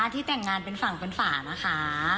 ที่แต่งงานเป็นฝั่งเป็นฝานะคะ